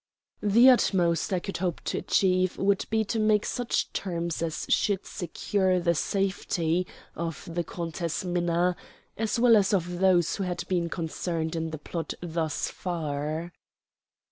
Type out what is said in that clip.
The utmost I could hope to achieve would be to make such terms as should secure the safety of the Countess Minna, as well as of those who had been concerned in the plot thus far.